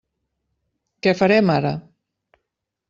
Què farem ara?